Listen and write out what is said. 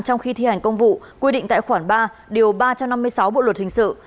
trong khi thi hành công vụ quy định tại khoản ba điều ba trăm năm mươi sáu bộ luật hình sự